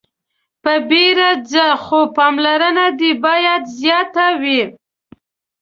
په بيړه ځه خو پاملرنه دې باید زياته وي.